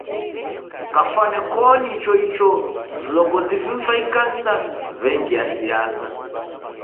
Kwafwani koni icho icho, vilongozi vimu va ikanisa w'engia siasa.